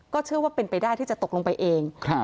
เชื่อว่าเป็นไปได้ที่จะตกลงไปเอง